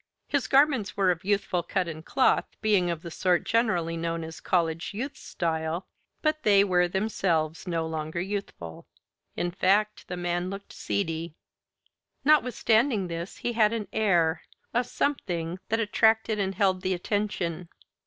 His garments were of a youthful cut and cloth, being of the sort generally known as "College Youth Style," but they were themselves no longer youthful. In fact, the man looked seedy. Notwithstanding this he had an air a something that attracted and held the attention.